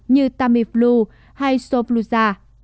như tamiflu hay sofluza